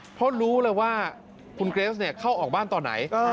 เพราะรู้เลยว่าคุณเกรสเข้าออกบ้านตอนไหน